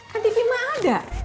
kan tv mah ada